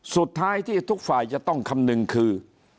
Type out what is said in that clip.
สุดท้ายที่ทุกฝ่ายจะต้องคำนึงคือ